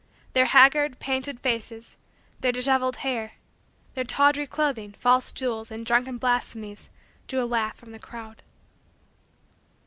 Their haggard, painted, faces, their disheveled hair, their tawdry clothing, false jewels, and drunken blasphemies, drew a laugh from the crowd.